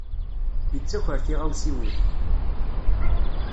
Yettaker tiɣawsiwin.